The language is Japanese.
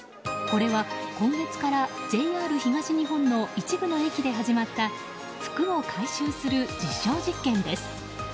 これは今月からＪＲ東日本の一部の駅で始まった服を回収する実証実験です。